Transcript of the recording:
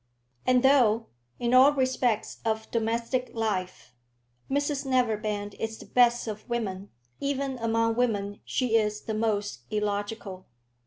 And though, in all respects of domestic life, Mrs Neverbend is the best of women, even among women she is the most illogical.